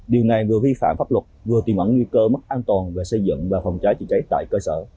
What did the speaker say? điều này vừa vi phạm pháp luật vừa tìm ẩn nguy cơ mất an toàn về xây dựng và phòng cháy chữa cháy tại cơ sở